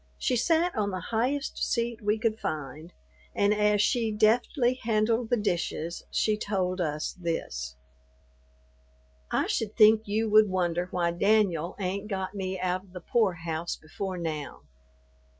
She sat on the highest seat we could find, and as she deftly handled the dishes she told us this: "I should think you would wonder why Danyul ain't got me out of the porehouse before now.